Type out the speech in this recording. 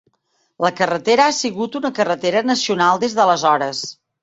La carretera ha sigut una carretera nacional des d'aleshores.